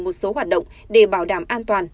một số hoạt động để bảo đảm an toàn